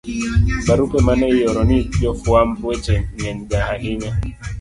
Barupe ma ne ioro ne jofwamb weche ng'enyga ahinya.